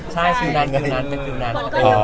ใช่ชีวิตนั้นเป็นชีวิตนั้น